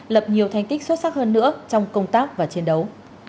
lập nhiều thành tích xuất sắc hơn nữa trong công tác và chiến đấu